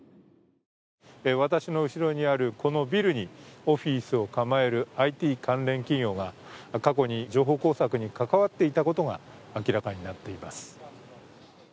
私の後ろにあるこのビルにオフィスを構えるＩＴ関連企業が過去に情報工作に関わっていたことが明らかになっています。